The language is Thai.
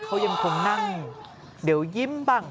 เขายังคงนั่งเดี๋ยวยิ้มบ้าง